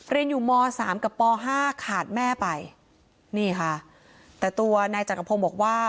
เรียนอยู่มสามกับป๕ขาดแม่ไปนี่ค่ะแต่ตัวนายจักรพงศ์บอกว่า